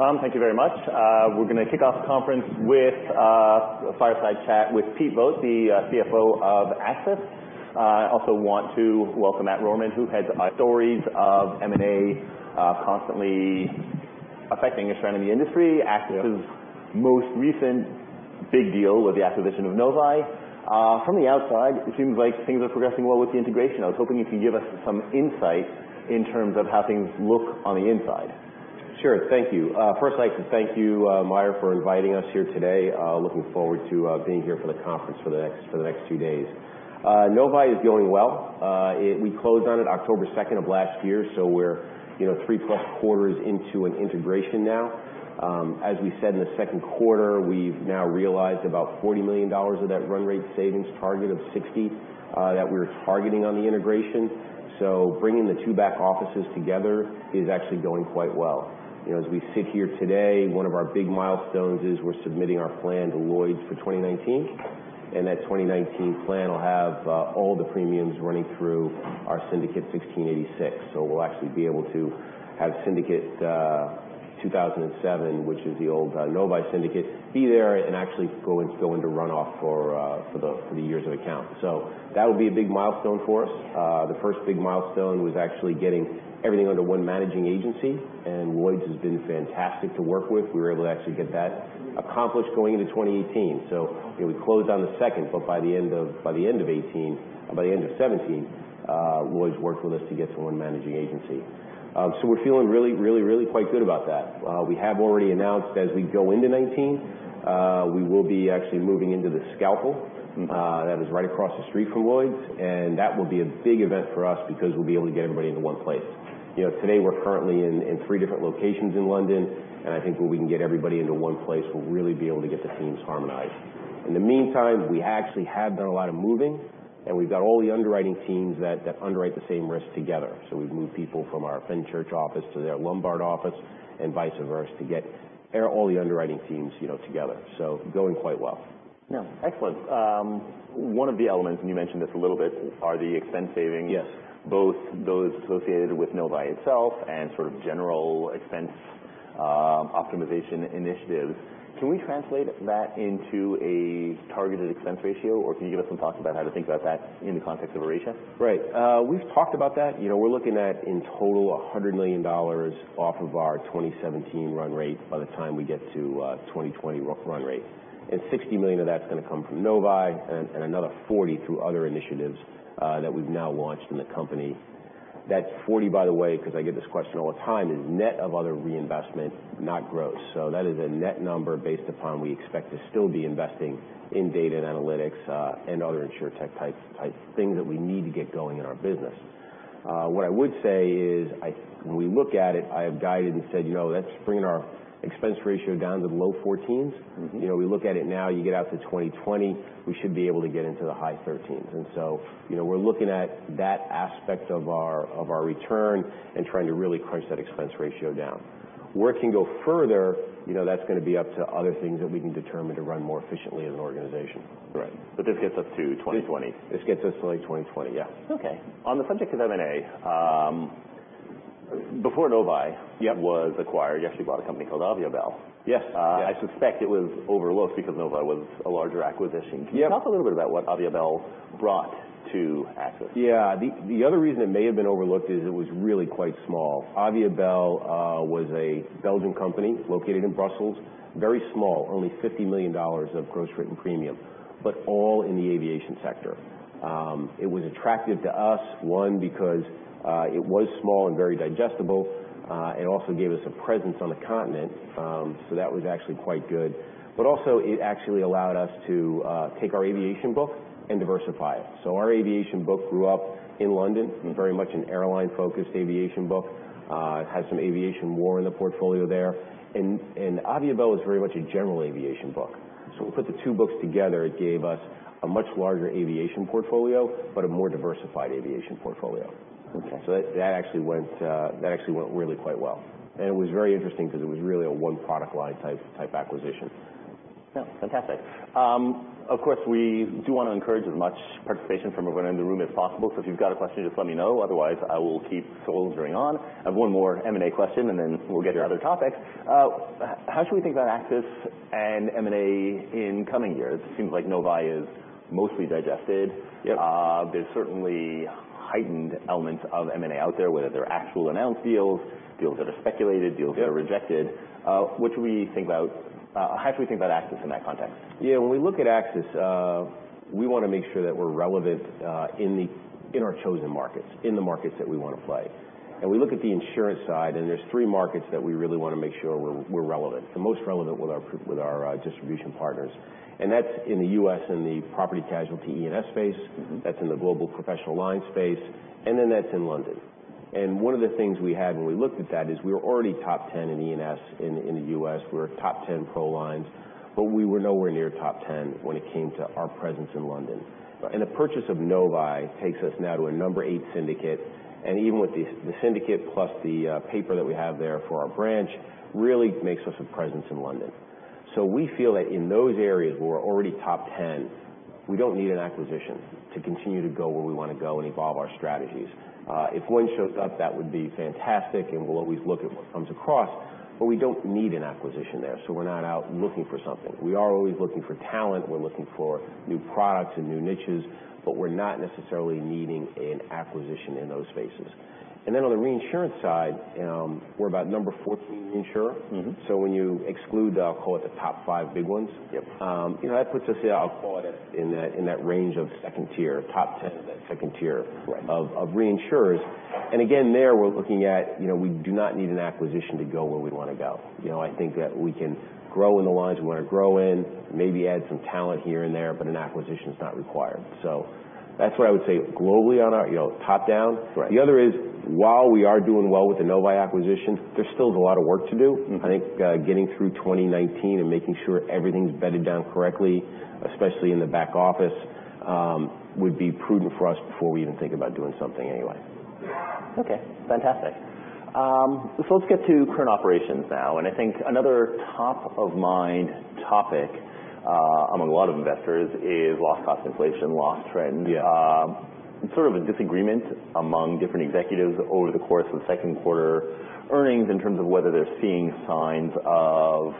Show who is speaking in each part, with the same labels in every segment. Speaker 1: Tom, thank you very much. We're going to kick off the conference with a fireside chat with Pete Vogt, the CFO of AXIS. I also want to welcome Matt. Stories of M&A constantly affecting your friend in the industry.
Speaker 2: Yeah.
Speaker 1: AXIS' most recent big deal with the acquisition of Novae. From the outside, it seems like things are progressing well with the integration. I was hoping you could give us some insight in terms of how things look on the inside.
Speaker 2: Sure. Thank you. First I'd like to thank you, Meyer, for inviting us here today. Looking forward to being here for the conference for the next few days. Novae is going well. We closed on it October 2nd of last year, so we're three plus quarters into an integration now. As we said in the second quarter, we've now realized about $40 million of that run rate savings target of 60 that we were targeting on the integration. Bringing the two back offices together is actually going quite well. As we sit here today, one of our big milestones is we're submitting our plan to Lloyd's for 2019, and that 2019 plan will have all the premiums running through our Syndicate 1686. We'll actually be able to have Syndicate 2007, which is the old Novae Syndicate, be there and actually go into runoff for the years of account. That would be a big milestone for us. The first big milestone was actually getting everything under one managing agency, and Lloyd's has been fantastic to work with. We were able to actually get that accomplished going into 2018. We closed on the second, but by the end of 2017, Lloyd's worked with us to get to one managing agency. We're feeling really quite good about that. We have already announced as we go into 2019, we will be actually moving into The Scalpel that is right across the street from Lloyd's. That will be a big event for us because we'll be able to get everybody into one place. Today we're currently in three different locations in London, and I think when we can get everybody into one place, we'll really be able to get the teams harmonized. In the meantime, we actually have done a lot of moving, and we've got all the underwriting teams that underwrite the same risk together. We've moved people from our Fenchurch office to their Lombard office and vice versa to get all the underwriting teams together. Going quite well.
Speaker 1: Excellent. One of the elements, and you mentioned this a little bit, are the expense savings.
Speaker 2: Yes.
Speaker 1: Both those associated with Novae itself and sort of general expense optimization initiatives. Can we translate that into a targeted expense ratio, or can you give us some thoughts about how to think about that in the context of a ratio?
Speaker 2: We've talked about that. We're looking at, in total, $100 million off of our 2017 run rate by the time we get to 2020 run rate. $60 million of that's going to come from Novae and another $40 through other initiatives that we've now launched in the company. That $40, by the way, because I get this question all the time, is net of other reinvestment, not gross. That is a net number based upon we expect to still be investing in data and analytics, and other Insurtech type things that we need to get going in our business. What I would say is, when we look at it, I have guided and said that's bringing our expense ratio down to the low 14s. We look at it now, you get out to 2020, we should be able to get into the high 13s. We're looking at that aspect of our return and trying to really crush that expense ratio down. Where it can go further, that's going to be up to other things that we can determine to run more efficiently as an organization.
Speaker 1: Right. This gets us to 2020.
Speaker 2: This gets us to late 2020, yeah.
Speaker 1: Okay. On the subject of M&A, before Novae-
Speaker 2: Yeah
Speaker 1: was acquired, you actually bought a company called Aviabel.
Speaker 2: Yes. Yeah.
Speaker 1: I suspect it was overlooked because Novae was a larger acquisition.
Speaker 2: Yeah.
Speaker 1: Can you talk a little bit about what Aviabel brought to AXIS?
Speaker 2: Yeah. The other reason it may have been overlooked is it was really quite small. Aviabel was a Belgian company located in Brussels, very small, only $50 million of gross written premium, but all in the aviation sector. It was attractive to us, one, because it was small and very digestible. It also gave us a presence on the continent, that was actually quite good. Also it actually allowed us to take our aviation book and diversify it. Our aviation book grew up in London, very much an airline-focused aviation book. It had some aviation war in the portfolio there, and Aviabel is very much a general aviation book. We put the two books together, it gave us a much larger aviation portfolio, but a more diversified aviation portfolio.
Speaker 1: Okay.
Speaker 2: That actually went really quite well. It was very interesting because it was really a one product line type acquisition.
Speaker 1: Yeah. Fantastic. Of course, we do want to encourage as much participation from everyone in the room as possible, so if you've got a question, just let me know. Otherwise, I will keep soldiering on. I have one more M&A question, and then we'll get to other topics. How should we think about AXIS and M&A in coming years? It seems like Novae is mostly digested.
Speaker 2: Yep.
Speaker 1: There's certainly heightened elements of M&A out there, whether they're actual announced deals that are speculated, deals that are rejected.
Speaker 2: Yep.
Speaker 1: How should we think about AXIS in that context?
Speaker 2: Yeah, when we look at AXIS, we want to make sure that we're relevant in our chosen markets, in the markets that we want to play. We look at the insurance side, and there's three markets that we really want to make sure we're relevant, the most relevant with our distribution partners. That's in the U.S. in the property casualty E&S space. That's in the global Professional Lines space, then that's in London. One of the things we had when we looked at that is we were already top 10 in E&S in the U.S. We were top 10 Professional Lines, but we were nowhere near top 10 when it came to our presence in London.
Speaker 1: Right.
Speaker 2: The purchase of Novae takes us now to a number eight syndicate, even with the syndicate plus the paper that we have there for our branch, really makes us a presence in London. We feel that in those areas where we're already top 10, we don't need an acquisition to continue to go where we want to go and evolve our strategies. If one shows up, that would be fantastic, and we'll always look at what comes across, but we don't need an acquisition there, so we're not out looking for something. We are always looking for talent. We're looking for new products and new niches, but we're not necessarily needing an acquisition in those spaces. Then on the reinsurance side, we're about number 14 insurer. when you exclude, I'll call it the top five big ones.
Speaker 1: Yep.
Speaker 2: That puts us, I'll call it in that range of second tier, top 10 of that second tier of reinsurers. Again, there we're looking at, we do not need an acquisition to go where we want to go. I think that we can grow in the lines we want to grow in, maybe add some talent here and there, but an acquisition's not required. That's what I would say globally on our top-down.
Speaker 1: Right.
Speaker 2: The other is, while we are doing well with the Novae acquisition, there still is a lot of work to do. I think getting through 2019 and making sure everything's bedded down correctly, especially in the back office, would be prudent for us before we even think about doing something anyway.
Speaker 1: Okay, fantastic. Let's get to current operations now. I think another top-of-mind topic among a lot of investors is loss cost inflation, loss trend.
Speaker 2: Yeah.
Speaker 1: Sort of a disagreement among different executives over the course of second quarter earnings in terms of whether they're seeing signs of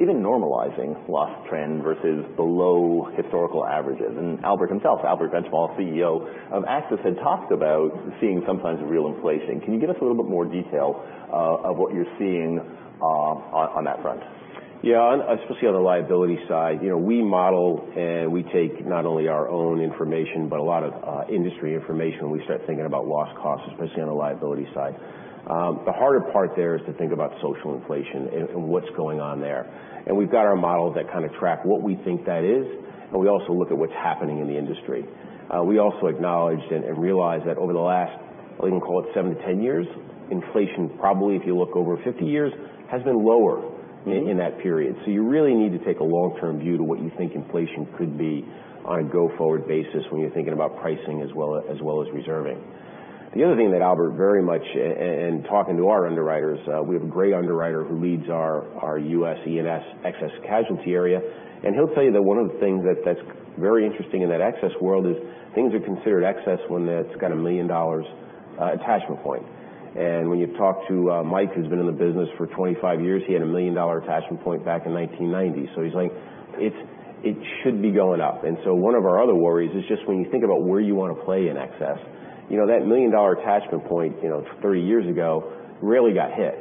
Speaker 1: even normalizing loss trend versus below historical averages. Albert himself, Albert Benchimol, CEO of AXIS Capital, had talked about seeing sometimes real inflation. Can you give us a little bit more detail of what you're seeing on that front?
Speaker 2: Yeah, especially on the liability side. We model and we take not only our own information, but a lot of industry information when we start thinking about loss costs, especially on the liability side. The harder part there is to think about social inflation and what's going on there. We've got our models that kind of track what we think that is, and we also look at what's happening in the industry. We also acknowledged and realized that over the last, I'll even call it seven to 10 years, inflation probably, if you look over 50 years, has been lower in that period. You really need to take a long-term view to what you think inflation could be on a go-forward basis when you're thinking about pricing as well as reserving. The other thing that Albert very much, talking to our underwriters, we have a great underwriter who leads our U.S. E&S excess casualty area. He'll tell you that one of the things that's very interesting in that excess world is things are considered excess when it's got a $1 million attachment point. When you talk to Mike, who's been in the business for 25 years, he had a $1 million attachment point back in 1990. He's like, "It should be going up." One of our other worries is just when you think about where you want to play in excess, that $1 million attachment point, three years ago, really got hit.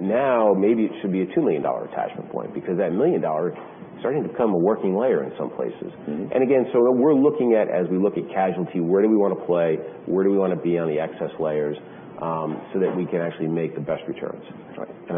Speaker 2: Now, maybe it should be a $2 million attachment point because that $1 million is starting to become a working layer in some places. We're looking at, as we look at casualty, where do we want to play? Where do we want to be on the excess layers so that we can actually make the best returns?
Speaker 1: Right.
Speaker 2: It's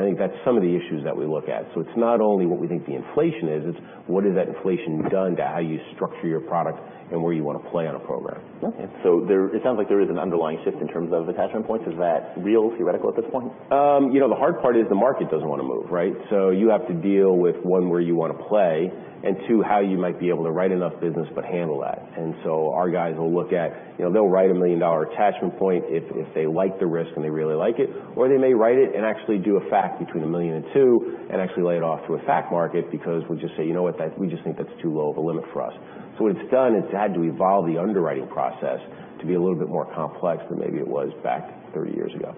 Speaker 2: not only what we think the inflation is, it's what has that inflation done to how you structure your product and where you want to play on a program.
Speaker 1: It sounds like there is an underlying shift in terms of attachment points. Is that real, theoretical at this point?
Speaker 2: The hard part is the market doesn't want to move, right? You have to deal with, one, where you want to play, and two, how you might be able to write enough business but handle that. Our guys will look at, they'll write a $1 million attachment point if they like the risk and they really like it, or they may write it and actually do a fac between $1 million and $2 million and actually lay it off to a fac market because we'll just say, "You know what? We just think that's too low of a limit for us." What it's done, it's had to evolve the underwriting process to be a little bit more complex than maybe it was back 30 years ago.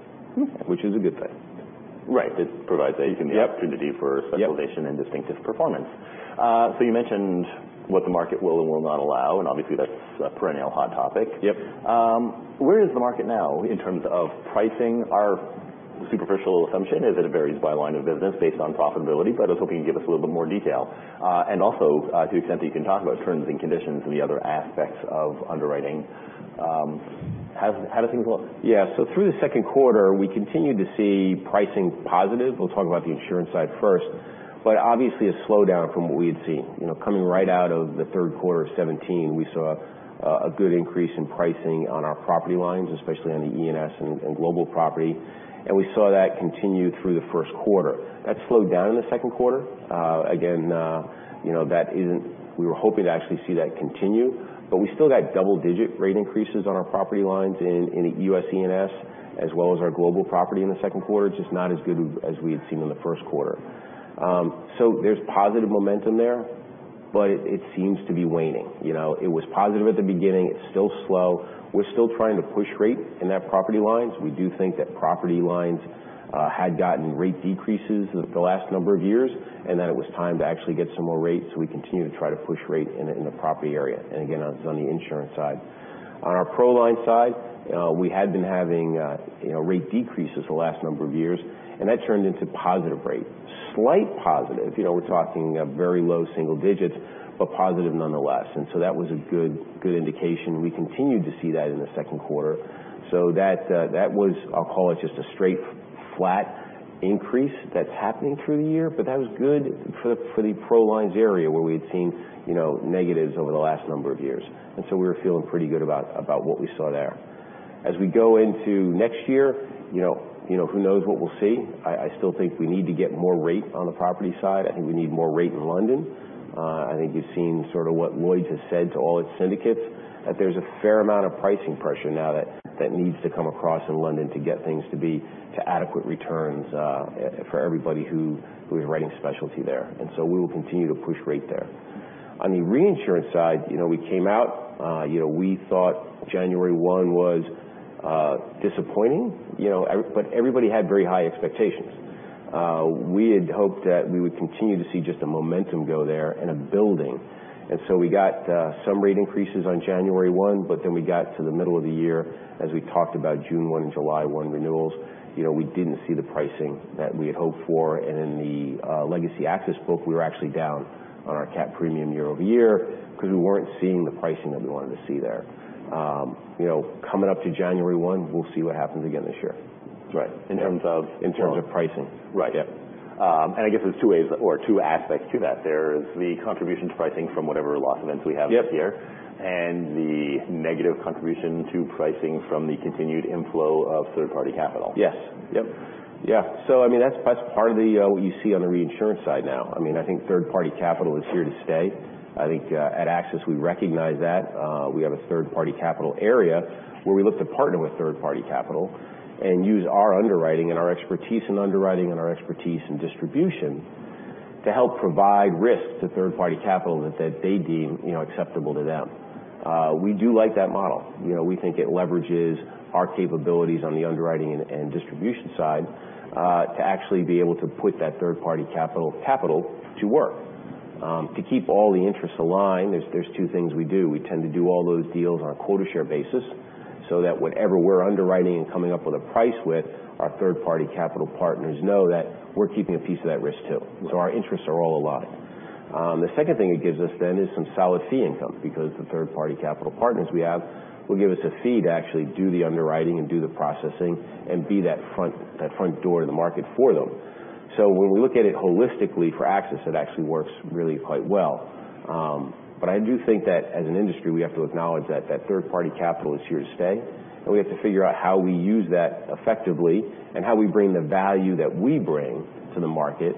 Speaker 2: Which is a good thing.
Speaker 1: Right. It provides the opportunity for specialization and distinctive performance. You mentioned what the market will and will not allow, and obviously that's a perennial hot topic.
Speaker 2: Yep.
Speaker 1: Where is the market now in terms of pricing? Our superficial assumption is that it varies by line of business based on profitability, but I was hoping you'd give us a little bit more detail. To the extent that you can talk about terms and conditions and the other aspects of underwriting, how do things look?
Speaker 2: Yeah. Through the second quarter, we continued to see pricing positive. We'll talk about the insurance side first. Obviously a slowdown from what we had seen. Coming right out of the third quarter of 2017, we saw a good increase in pricing on our property lines, especially on the E&S and global property. We saw that continue through the first quarter. That slowed down in the second quarter. Again, we were hoping to actually see that continue, but we still got double-digit rate increases on our property lines in the U.S. E&S, as well as our global property in the second quarter. Just not as good as we had seen in the first quarter. There's positive momentum there, but it seems to be waning. It was positive at the beginning. It's still slow. We're still trying to push rate in that property lines. We do think that property lines had gotten rate decreases the last number of years, and that it was time to actually get some more rates. We continue to try to push rate in the property area. Again, that was on the insurance side. On our Professional Lines side, we had been having rate decreases the last number of years, and that turned into positive rate. Slight positive. We're talking very low single digits, but positive nonetheless. That was a good indication. We continued to see that in the second quarter. That was, I'll call it just a straight flat increase that's happening through the year, but that was good for the Professional Lines area where we had seen negatives over the last number of years. We were feeling pretty good about what we saw there. As we go into next year, who knows what we'll see. I still think we need to get more rate on the property side. I think we need more rate in London. I think you've seen what Lloyd's has said to all its syndicates, that there's a fair amount of pricing pressure now that needs to come across in London to get things to be to adequate returns for everybody who is writing specialty there. We will continue to push rate there. On the reinsurance side, we came out, we thought January 1 was disappointing. Everybody had very high expectations. We had hoped that we would continue to see just a momentum go there and a building. We got some rate increases on January 1, we got to the middle of the year as we talked about June 1 and July 1 renewals. We didn't see the pricing that we had hoped for, in the legacy AXIS book, we were actually down on our cat premium year-over-year because we weren't seeing the pricing that we wanted to see there. Coming up to January 1, we'll see what happens again this year.
Speaker 1: Right. In terms of?
Speaker 2: In terms of pricing.
Speaker 1: Right.
Speaker 2: Yeah.
Speaker 1: I guess there's two ways or two aspects to that. There's the contribution to pricing from whatever loss events we have this year.
Speaker 2: Yep.
Speaker 1: The negative contribution to pricing from the continued inflow of third-party capital.
Speaker 2: Yes. Yep. Yeah. That's part of what you see on the reinsurance side now. I think third-party capital is here to stay. I think at AXIS we recognize that. We have a third-party capital area where we look to partner with third-party capital and use our underwriting and our expertise in underwriting and our expertise in distribution to help provide risk to third-party capital that they deem acceptable to them. We do like that model. We think it leverages our capabilities on the underwriting and distribution side to actually be able to put that third-party capital to work. To keep all the interests aligned, there's two things we do. We tend to do all those deals on a quota share basis so that whatever we're underwriting and coming up with a price with, our third-party capital partners know that we're keeping a piece of that risk, too.
Speaker 1: Right.
Speaker 2: Our interests are all aligned. The second thing it gives us then is some solid fee income because the third-party capital partners we have will give us a fee to actually do the underwriting and do the processing and be that front door to the market for them. When we look at it holistically for AXIS, it actually works really quite well. I do think that as an industry, we have to acknowledge that that third-party capital is here to stay, and we have to figure out how we use that effectively and how we bring the value that we bring to the market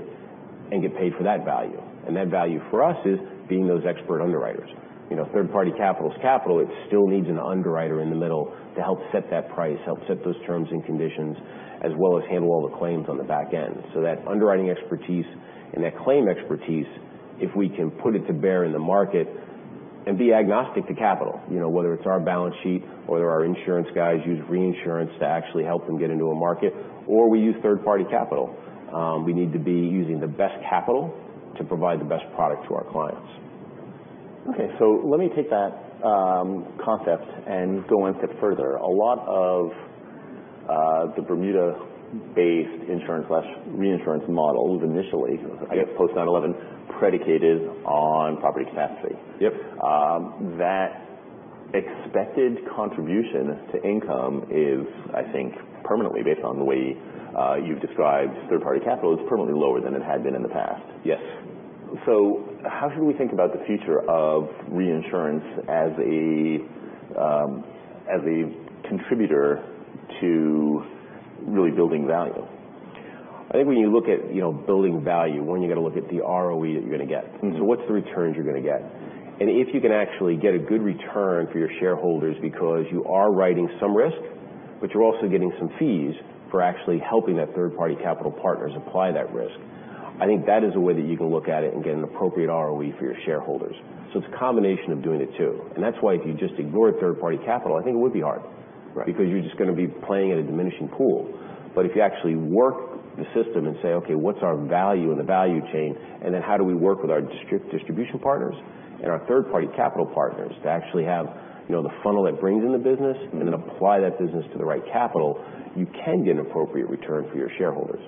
Speaker 2: and get paid for that value. That value for us is being those expert underwriters. Third-party capital is capital. It still needs an underwriter in the middle to help set that price, help set those terms and conditions, as well as handle all the claims on the back end. That underwriting expertise and that claim expertise, if we can put it to bear in the market and be agnostic to capital. Whether it's our balance sheet or whether our insurance guys use reinsurance to actually help them get into a market, or we use third-party capital. We need to be using the best capital to provide the best product to our clients.
Speaker 1: Okay. Let me take that concept and go one step further. A lot of the Bermuda-based insurance/reinsurance models initially.
Speaker 2: Yes
Speaker 1: I guess post 9/11, predicated on property catastrophe.
Speaker 2: Yep.
Speaker 1: That expected contribution to income is, I think, permanently based on the way you've described third-party capital, is permanently lower than it had been in the past.
Speaker 2: Yes.
Speaker 1: How should we think about the future of reinsurance as a contributor to really building value?
Speaker 2: I think when you look at building value, one, you got to look at the ROE that you're going to get. What's the returns you're going to get? If you can actually get a good return for your shareholders because you are writing some risk, but you're also getting some fees for actually helping that third-party capital partners apply that risk. I think that is a way that you can look at it and get an appropriate ROE for your shareholders. It's a combination of doing the two. That's why if you just ignore third-party capital, I think it would be hard.
Speaker 1: Right.
Speaker 2: You're just going to be playing in a diminishing pool. If you actually work the system and say, "Okay, what's our value in the value chain, then how do we work with our distribution partners and our third-party capital partners to actually have the funnel that brings in the business, then apply that business to the right capital," you can get an appropriate return for your shareholders.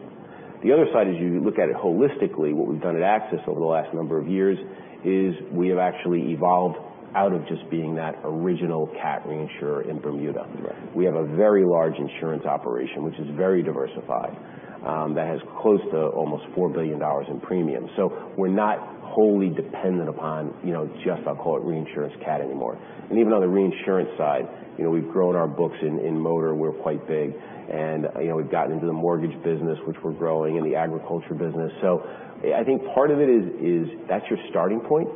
Speaker 2: The other side is you look at it holistically. What we've done at AXIS over the last number of years is we have actually evolved out of just being that original cat reinsurer in Bermuda.
Speaker 1: Right.
Speaker 2: We have a very large insurance operation, which is very diversified, that has close to almost $4 billion in premiums. We're not wholly dependent upon just, I'll call it reinsurance cat anymore. Even on the reinsurance side, we've grown our books in motor. We're quite big. We've gotten into the mortgage business, which we're growing, and the agriculture business. I think part of it is that's your starting point,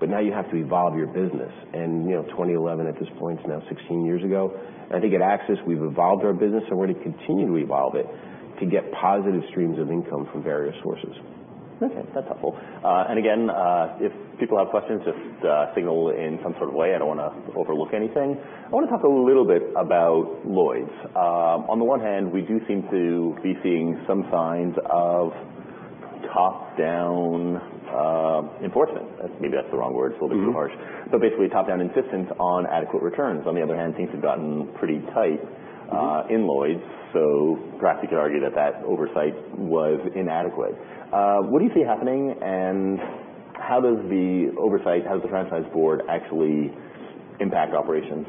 Speaker 2: but now you have to evolve your business. 2011 at this point is now 16 years ago. I think at AXIS, we've evolved our business and we're going to continue to evolve it to get positive streams of income from various sources.
Speaker 1: Okay. That's helpful. Again, if people have questions, just signal in some sort of way. I don't want to overlook anything. I want to talk a little bit about Lloyd's. On the one hand, we do seem to be seeing some signs of top-down enforcement. Maybe that's the wrong word. It's a little bit harsh. Basically, top-down insistence on adequate returns. On the other hand, things have gotten pretty tight in Lloyd's. Perhaps you could argue that that oversight was inadequate. What do you see happening and how does the oversight, how does the franchise board actually impact operations?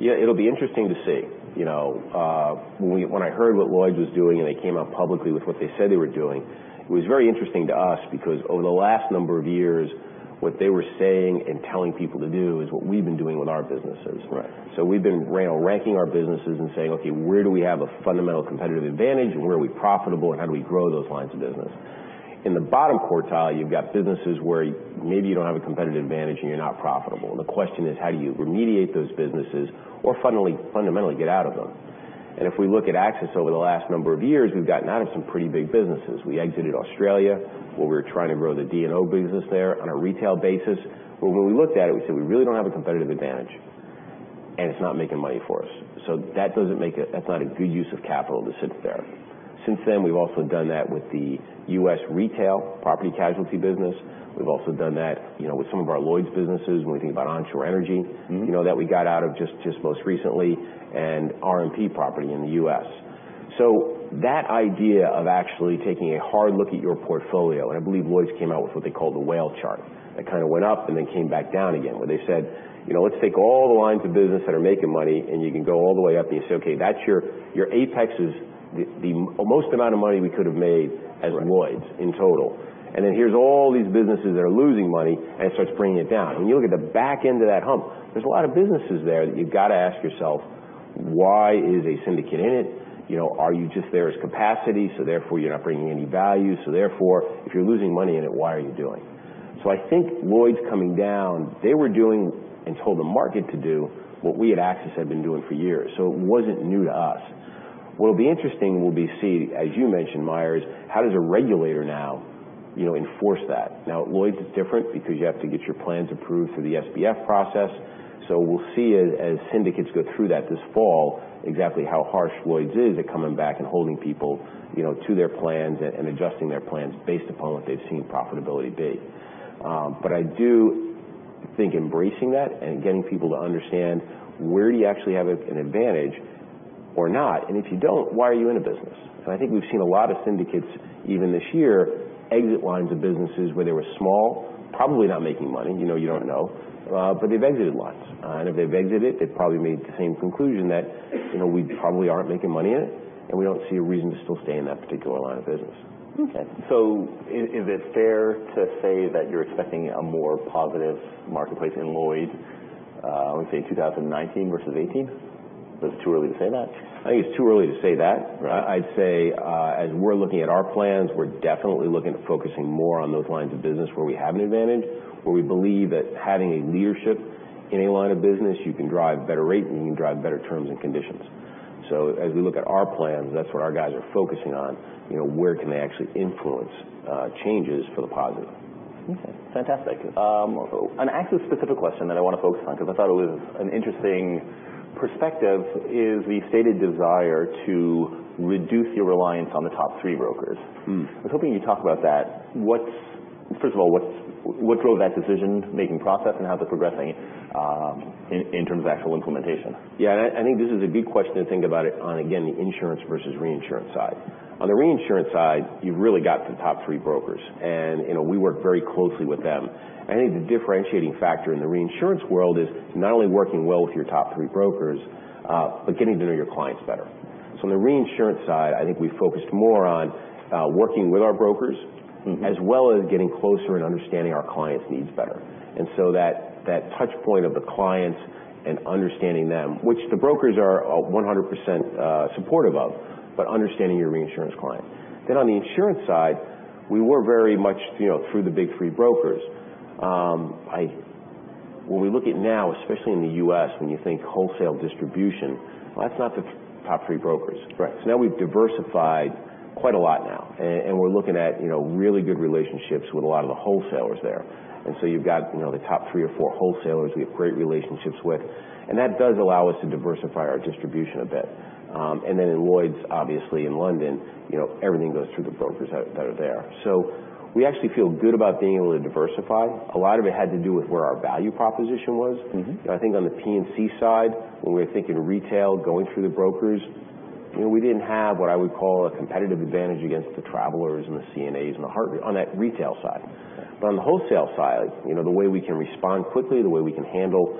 Speaker 2: Yeah. It will be interesting to see. When I heard what Lloyd's was doing and they came out publicly with what they said they were doing, it was very interesting to us because over the last number of years, what they were saying and telling people to do is what we've been doing with our businesses.
Speaker 1: Right.
Speaker 2: We've been ranking our businesses and saying, "Okay, where do we have a fundamental competitive advantage and where are we profitable and how do we grow those lines of business?" In the bottom quartile, you've got businesses where maybe you don't have a competitive advantage and you're not profitable. The question is, how do you remediate those businesses or fundamentally get out of them? If we look at AXIS over the last number of years, we've gotten out of some pretty big businesses. We exited Australia, where we were trying to grow the D&O business there on a retail basis. When we looked at it, we said, "We really don't have a competitive advantage, and it's not making money for us." That's not a good use of capital to sit there. Since then, we've also done that with the U.S. retail property casualty business. We've also done that with some of our Lloyd's businesses, when we think about onshore energy that we got out of just most recently, and RMP property in the U.S. That idea of actually taking a hard look at your portfolio, I believe Lloyd's came out with what they call the whale chart, that kind of went up and then came back down again, where they said, "Let's take all the lines of business that are making money," You can go all the way up and you say, "Okay, that's your apex is the most amount of money we could've made as Lloyd's in total. Then here's all these businesses that are losing money," It starts bringing it down. When you look at the back end of that hump, there's a lot of businesses there that you've got to ask yourself, why is a syndicate in it? Are you just there as capacity, therefore you're not bringing any value? Therefore, if you're losing money in it, why are you doing it? I think Lloyd's coming down, they were doing, and told the market to do, what we at AXIS had been doing for years. It wasn't new to us. What will be interesting will be see, as you mentioned, Meyer, how does a regulator now enforce that? At Lloyd's it's different because you have to get your plans approved through the SBF process. We'll see as syndicates go through that this fall, exactly how harsh Lloyd's is at coming back and holding people to their plans and adjusting their plans based upon what they've seen profitability be. I do think embracing that and getting people to understand where do you actually have an advantage or not, and if you don't, why are you in a business? I think we've seen a lot of syndicates, even this year, exit lines of businesses where they were small, probably not making money, you don't know, but they've exited lots. If they've exited, they've probably made the same conclusion that we probably aren't making money in it, and we don't see a reason to still stay in that particular line of business.
Speaker 1: Okay. Is it fair to say that you're expecting a more positive marketplace in Lloyd's, I would say, 2019 versus 2018? Is it too early to say that?
Speaker 2: I think it's too early to say that.
Speaker 1: Right.
Speaker 2: I'd say, as we're looking at our plans, we're definitely looking at focusing more on those lines of business where we have an advantage, where we believe that having a leadership in a line of business, you can drive better rate and you can drive better terms and conditions. As we look at our plans, that's what our guys are focusing on, where can they actually influence changes for the positive?
Speaker 1: Okay. Fantastic.
Speaker 2: You're welcome.
Speaker 1: An AXIS specific question that I want to focus on because I thought it was an interesting perspective, is the stated desire to reduce your reliance on the top three brokers. I was hoping you'd talk about that. First of all, what drove that decision-making process and how's it progressing in terms of actual implementation?
Speaker 2: Yeah, I think this is a good question to think about it on, again, the insurance versus reinsurance side. On the reinsurance side, you've really got the top three brokers, and we work very closely with them. I think the differentiating factor in the reinsurance world is not only working well with your top three brokers, but getting to know your clients better. On the reinsurance side, I think we've focused more on working with our brokers, as well as getting closer and understanding our clients' needs better. That touch point of the clients and understanding them, which the brokers are 100% supportive of, but understanding your reinsurance client. On the insurance side, we were very much through the big three brokers. When we look at now, especially in the U.S., when you think wholesale distribution, well, that's not the top three brokers.
Speaker 1: Right.
Speaker 2: Now we've diversified quite a lot now, and we're looking at really good relationships with a lot of the wholesalers there. You've got the top three or four wholesalers we have great relationships with, and that does allow us to diversify our distribution a bit. In Lloyd's, obviously in London, everything goes through the brokers that are there. We actually feel good about being able to diversify. A lot of it had to do with where our value proposition was. I think on the P&C side, when we're thinking retail, going through the brokers, we didn't have what I would call a competitive advantage against the Travelers and the CNAs on that retail side. On the wholesale side, the way we can respond quickly, the way we can handle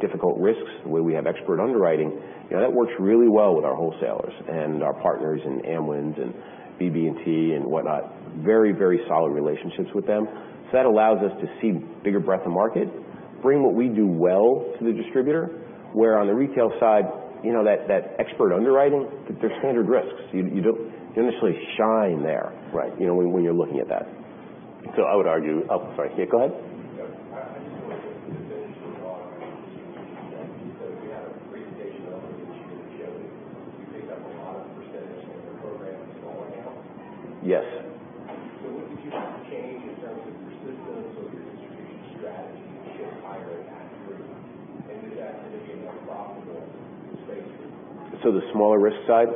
Speaker 2: difficult risks, the way we have expert underwriting, that works really well with our wholesalers and our partners in Amwins and BB&T and whatnot. Very, very solid relationships with them. That allows us to see bigger breadth of market, bring what we do well to the distributor. Where on the retail side, that expert underwriting, they're standard risks. You don't initially shine there.
Speaker 1: Right
Speaker 2: When you're looking at that. I would argue Oh, sorry. Yeah, go ahead.
Speaker 3: Yeah. I just want to finish the thought on distribution strategy. You had a presentation earlier that you had showed that you picked up a lot of the percentage points where programs are going out.
Speaker 2: Yes.
Speaker 3: What did you have to change in terms of your systems or your distribution strategy to get higher accuracy? Is that to make a more profitable space for you?
Speaker 2: The smaller risk side?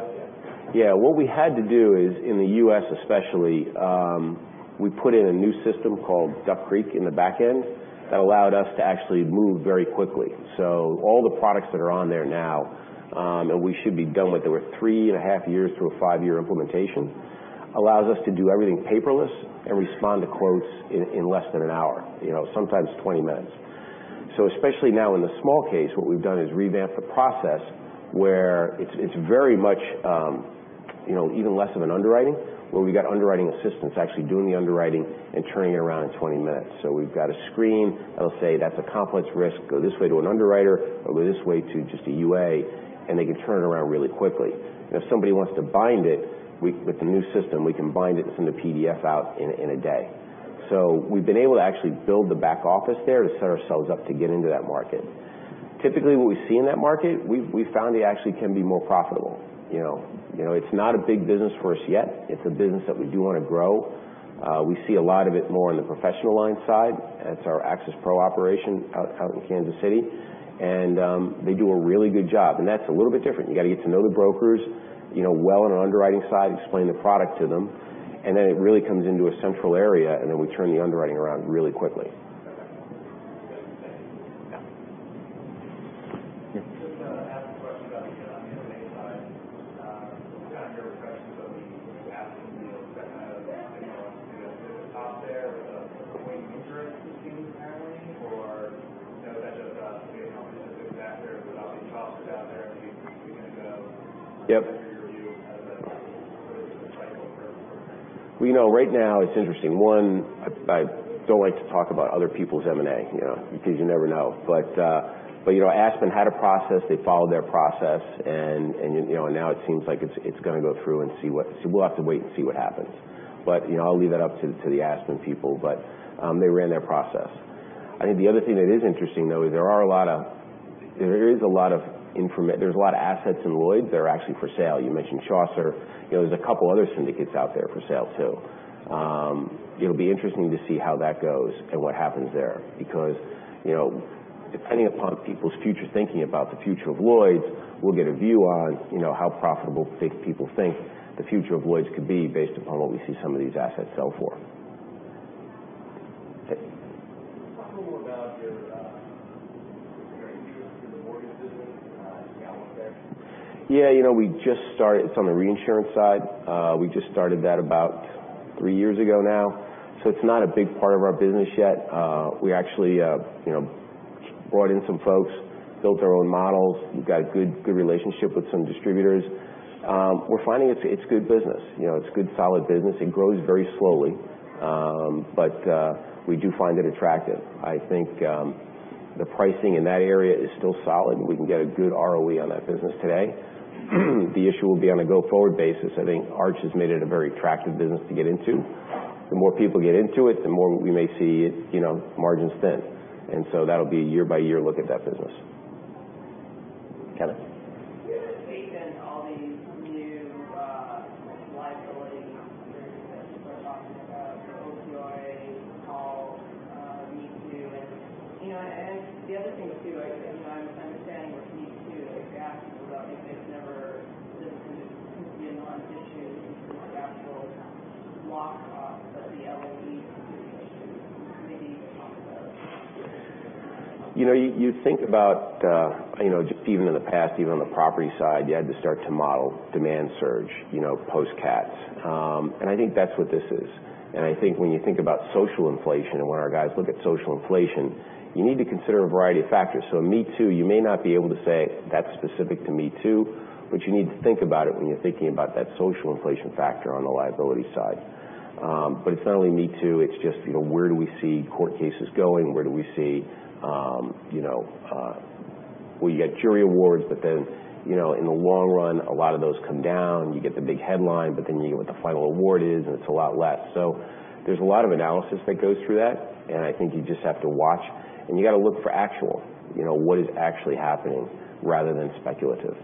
Speaker 3: Yeah.
Speaker 2: Yeah. What we had to do is, in the U.S. especially, we put in a new system called Duck Creek in the back end that allowed us to actually move very quickly. All the products that are on there now, and we should be done with, there were three and a half years through a five-year implementation, allows us to do everything paperless and respond to quotes in less than an hour. Sometimes 20 minutes. Especially now in the small case, what we've done is revamped the process where it's very much even less of an underwriting, where we've got underwriting assistants actually doing the underwriting and turning it around in 20 minutes. We've got a screen that'll say, "That's a complex risk. Go this way to an underwriter, or go this way to just a UA," and they can turn it around really quickly. If somebody wants to bind it, with the new system, we can bind it and send a PDF out in a day. We've been able to actually build the back office there to set ourselves up to get into that market. Typically, what we see in that market, we've found it actually can be more profitable. It's not a big business for us yet. It's a business that we do want to grow. We see a lot of it more in the Professional Lines side. That's our AXIS Pro operation out in Kansas City, and they do a really good job. That's a little bit different. You got to get to know the brokers well on an underwriting side, explain the product to them, and then it really comes into a central area, and then we turn the underwriting around really quickly.
Speaker 1: Okay. Thank you.
Speaker 2: Yeah.
Speaker 1: Just have a question about the M&A side. Kind of your impressions of Aspen, kind of dropping out of the running on the top there with the [point insurance] seems apparently, or that does not seem to be a company that's going to be back there without any Chaucer out there.
Speaker 2: Yep.
Speaker 1: Get your review of kind of that cycle for everyone?
Speaker 2: Well, right now it's interesting. One, I don't like to talk about other people's M&A, because you never know. Aspen had a process. They followed their process and now it seems like it's going to go through. We'll have to wait and see what happens. I'll leave that up to the Aspen people. They ran their process. I think the other thing that is interesting, though, there's a lot of assets in Lloyd's that are actually for sale. You mentioned Chaucer. There's a couple other syndicates out there for sale, too. It'll be interesting to see how that goes and what happens there because, depending upon people's future thinking about the future of Lloyd's, we'll get a view on how profitable people think the future of Lloyd's could be based upon what we see some of these assets sell for. Okay.
Speaker 1: Talk a little about your interest in the mortgage business and how it fits.
Speaker 2: Yeah, it's on the reinsurance side. We just started that about three years ago now. It's not a big part of our business yet. We actually brought in some folks, built our own models. We've got a good relationship with some distributors. We're finding it's good business. It's good, solid business. It grows very slowly. We do find it attractive. I think the pricing in that area is still solid, and we can get a good ROE on that business today. The issue will be on a go forward basis. I think Arch has made it a very attractive business to get into. The more people get into it, the more we may see margins thin, and that'll be a year by year look at that business. Kenneth.
Speaker 1: Do you have a take on all these new liability concerns that people are talking about, opioid, #MeToo? I think the other thing, too, I'm understanding with #MeToo, if you ask people about maybe it's never going to be a non-issue, like actual walk off of the LOE that committee talked about.
Speaker 2: You think about just even in the past, even on the property side, you had to start to model demand surge, post cats. I think that's what this is. I think when you think about social inflation and when our guys look at social inflation, you need to consider a variety of factors. #MeToo, you may not be able to say that's specific to #MeToo, but you need to think about it when you're thinking about that social inflation factor on the liability side. It's not only #MeToo, it's just where do we see court cases going? Where do we see where you get jury awards, but then in the long run, a lot of those come down. You get the big headline, but then you get what the final award is, and it's a lot less. There's a lot of analysis that goes through that, and I think you just have to watch, and you got to look for actual, what is actually happening rather than speculative.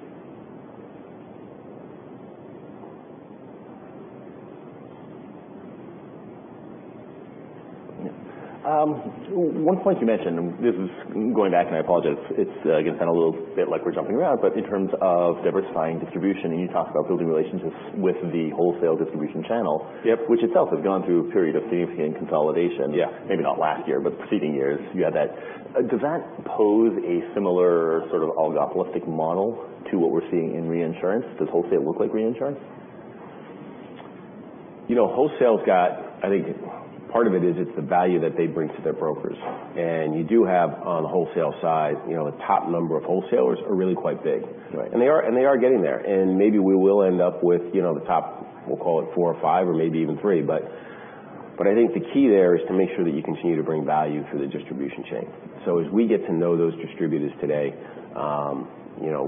Speaker 1: One point you mentioned, and this is going back and I apologize. It's kind of a little bit like we're jumping around, but in terms of diversifying distribution, and you talked about building relationships with the wholesale distribution channel.
Speaker 2: Yep.
Speaker 1: Which itself has gone through a period of significant consolidation.
Speaker 2: Yeah.
Speaker 1: Maybe not last year, but preceding years you had that. Does that pose a similar sort of oligopolistic model to what we're seeing in reinsurance? Does wholesale look like reinsurance?
Speaker 2: Wholesale's got, I think part of it is the value that they bring to their brokers. You do have on the wholesale side, the top number of wholesalers are really quite big.
Speaker 1: Right.
Speaker 2: They are getting there, and maybe we will end up with the top, we'll call it four or five or maybe even three. I think the key there is to make sure that you continue to bring value through the distribution chain. As we get to know those distributors today,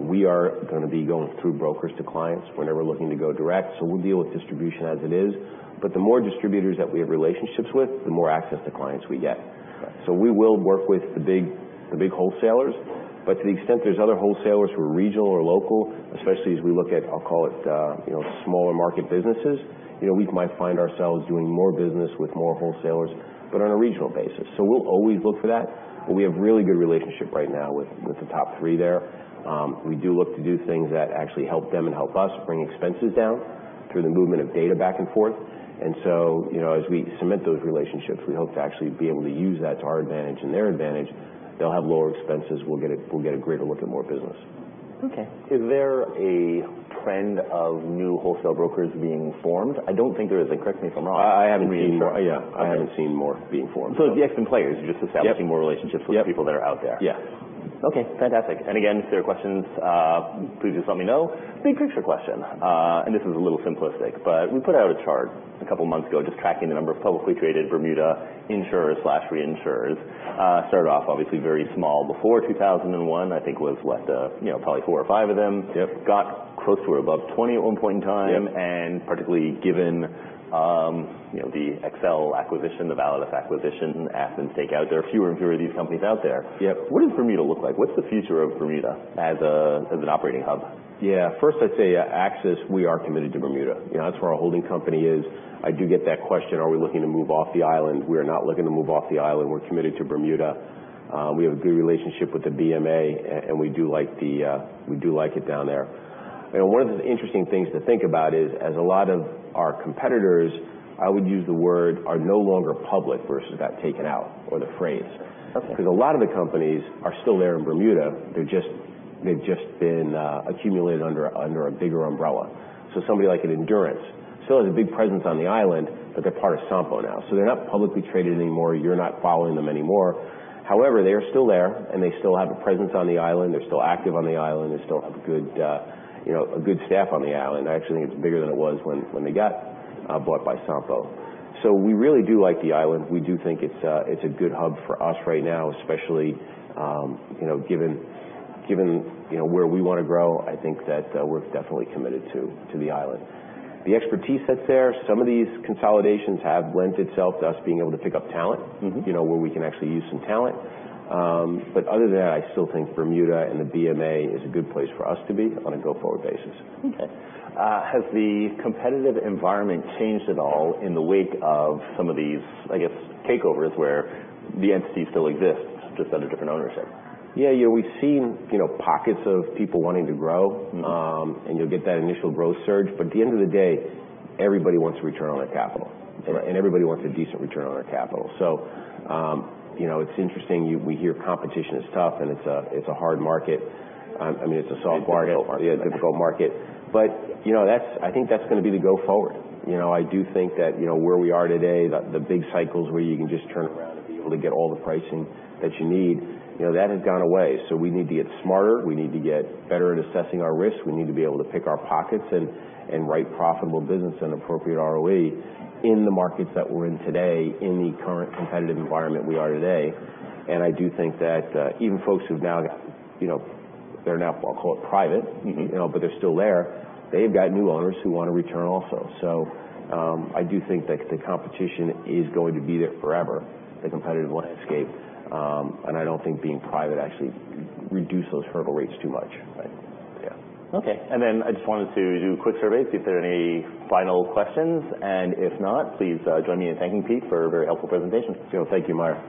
Speaker 2: we are going to be going through brokers to clients. We're never looking to go direct. We'll deal with distribution as it is. The more distributors that we have relationships with, the more access to clients we get.
Speaker 1: Right.
Speaker 2: We will work with the big wholesalers. To the extent there's other wholesalers who are regional or local, especially as we look at, I'll call it smaller market businesses, we might find ourselves doing more business with more wholesalers, but on a regional basis. We'll always look for that. We have really good relationship right now with the top three there. We do look to do things that actually help them and help us bring expenses down through the movement of data back and forth. As we cement those relationships, we hope to actually be able to use that to our advantage and their advantage. They'll have lower expenses. We'll get a greater look at more business.
Speaker 1: Okay. Is there a trend of new wholesale brokers being formed? I don't think there is, and correct me if I'm wrong.
Speaker 2: I haven't seen more being formed.
Speaker 1: The existing players are just establishing more relationships with people that are out there.
Speaker 2: Yeah.
Speaker 1: Okay, fantastic. Again, if there are questions, please just let me know. Big picture question, and this is a little simplistic, but we put out a chart a couple of months ago just tracking the number of publicly traded Bermuda insurers/reinsurers. Started off obviously very small before 2001, I think was what? Probably four or five of them.
Speaker 2: Yep.
Speaker 1: Got close to or above 20 at one point in time.
Speaker 2: Yep.
Speaker 1: Particularly given the XL acquisition, the Validus acquisition, Aspen takeout, there are fewer and fewer of these companies out there.
Speaker 2: Yep.
Speaker 1: What does Bermuda look like? What's the future of Bermuda as an operating hub?
Speaker 2: Yeah. First, I'd say at AXIS, we are committed to Bermuda. That's where our holding company is. I do get that question, are we looking to move off the island? We are not looking to move off the island. We're committed to Bermuda. We have a good relationship with the BMA. We do like it down there. One of the interesting things to think about is, as a lot of our competitors, I would use the word, are no longer public versus got taken out or the phrase.
Speaker 1: Okay.
Speaker 2: Because a lot of the companies are still there in Bermuda, they've just been accumulated under a bigger umbrella. Somebody like an Endurance. Still has a big presence on the island, but they're part of Sompo now. They're not publicly traded anymore. You're not following them anymore. However, they are still there, and they still have a presence on the island. They're still active on the island. They still have a good staff on the island. I actually think it's bigger than it was when they got bought by Sompo. We really do like the island. We do think it's a good hub for us right now, especially given where we want to grow. I think that we're definitely committed to the island. The expertise that's there, some of these consolidations have lent itself to us being able to pick up talent. Where we can actually use some talent. Other than that, I still think Bermuda and the BMA is a good place for us to be on a go forward basis.
Speaker 1: Okay. Has the competitive environment changed at all in the wake of some of these, I guess, takeovers where the entity still exists, just under different ownership?
Speaker 2: Yeah. We've seen pockets of people wanting to grow. You'll get that initial growth surge. At the end of the day, everybody wants a return on their capital.
Speaker 1: Right.
Speaker 2: Everybody wants a decent return on their capital. It's interesting. We hear competition is tough, and it's a hard market. I mean, it's a soft market.
Speaker 1: Difficult market.
Speaker 2: Yeah, difficult market. I think that's going to be the go forward. I do think that where we are today, the big cycles where you can just turn around and be able to get all the pricing that you need, that has gone away. We need to get smarter. We need to get better at assessing our risks. We need to be able to pick our pockets and write profitable business at an appropriate ROE in the markets that we're in today, in the current competitive environment we are today. I do think that even folks who've now got they're now, I'll call it private. They're still there. They've got new owners who want a return also. I do think that the competition is going to be there forever. The competitive won't escape. I don't think being private actually reduce those hurdle rates too much.
Speaker 1: Right.
Speaker 2: Yeah.
Speaker 1: Okay. I just wanted to do a quick survey, see if there are any final questions, and if not, please join me in thanking Pete for a very helpful presentation.
Speaker 2: Thank you, Meyer.